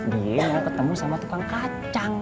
dia mau ketemu sama tukang kacang